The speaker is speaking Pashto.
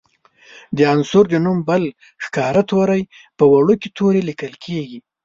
د عنصر د نوم بل ښکاره توری په وړوکي توري لیکل کیږي.